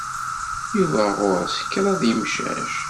Yuba ɣur-s kraḍ yemcac.